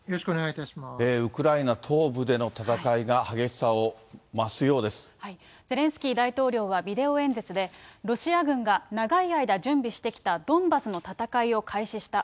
ウクライナ東部での戦いが、ゼレンスキー大統領はビデオ演説で、ロシア軍が長い間準備してきたドンバスの戦いを開始した。